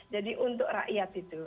jadi untuk rakyat itu